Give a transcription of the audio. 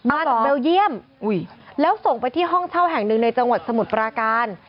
มาจากเบลเยี่ยมแล้วส่งไปที่ห้องเช่าแห่งหนึ่งในจังหวัดสมุทรปราการ